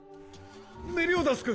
メリオダス君！